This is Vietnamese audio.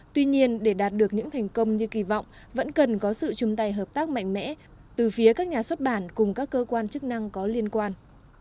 tuy nhiên để đạt được những thành công như kỳ vọng vẫn cần có sự chung tay hợp tác mạnh mẽ từ phía các nhà xuất bản cùng các cơ quan chức năng có liên quan